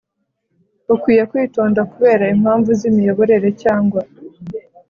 Ukwiye kwitonda kubera impamvu z ‘imiyoborere cyangwa